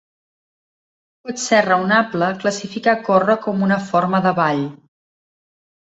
Pot ser raonable classificar córrer com una forma de ball.